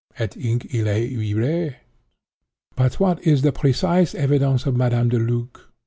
Et hinc illæ iræ? "But what is the precise evidence of Madame Deluc?